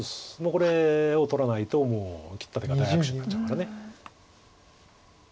これを取らないともう切った手が大悪手になっちゃうから。